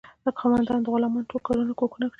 خاوندانو د غلامانو ټول کارونه او کوښښونه لوټول.